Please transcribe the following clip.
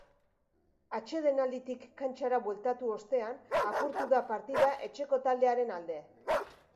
Atsedenalditik kantxara bueltatu ostean apurtu da partida etxeko taldearen alde.